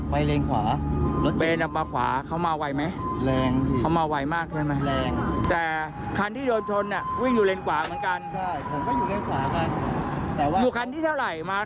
ผมอยู่คันที่๒แล้วคันที่โดนจนอยู่คันที่เท่าไหร่